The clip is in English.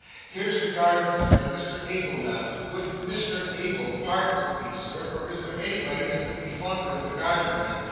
Here's the garden, sir, and Mr Abel, ma'am. Would Mr Abel part with me, Sir, or is there anybody that could be fonder of the garden, ma'am?